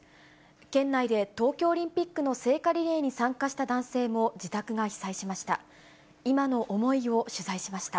県内で東京オリンピックの聖火リレーに参加した男性も自宅が被災しました。